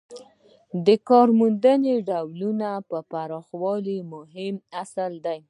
د کارموندنې د ډولونو پراخوالی یو مهم اصل دی.